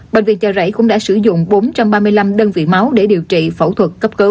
bệnh viện chợ rẫy cũng đã sử dụng bốn trăm ba mươi năm đơn vị máu để điều trị phẫu thuật cấp cứu